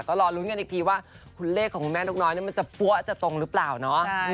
ก็รอลุ้นกันอีกทีว่าคุณเลขของคุณแม่นกน้อยมันจะปั้วจะตรงหรือเปล่าเนาะ